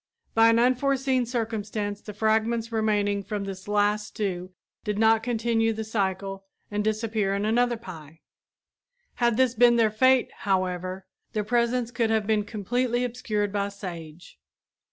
By an unforeseen circumstance the fragments remaining from this last stew did not continue the cycle and disappear in another pie. Had this been their fate, however, their presence could have been completely obscured by sage.